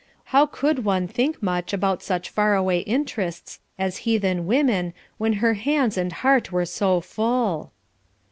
How could one think much about such far away interests as heathen women when her hands and heart were so full?